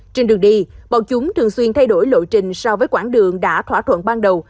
trên đường đi bọn chúng thường xuyên thay đổi lộ trình so với quảng đường đã thỏa thuận ban đầu